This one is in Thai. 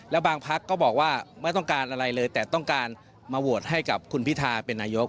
แล้วบางพักก็บอกว่าไม่ต้องการอะไรเลยแต่ต้องการมาโหวตให้กับคุณพิทาเป็นนายก